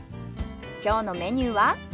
今日のメニューは？